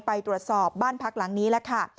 ไปตรวจสอบบ้านพักหลังนี้แล้วค่ะ